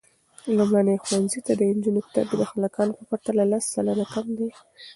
لومړني ښوونځي ته د نجونو تګ د هلکانو په پرتله لس سلنه کم دی.